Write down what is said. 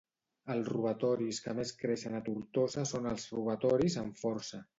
El robatoris que més creixen a Tortosa són els robatoris amb força.